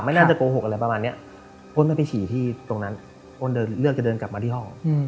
น่าจะโกหกอะไรประมาณเนี้ยอ้นไม่ไปฉี่ที่ตรงนั้นอ้นเดินเลือกจะเดินกลับมาที่ห้อง